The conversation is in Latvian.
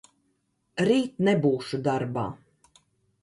Rīt nebūšu darbā.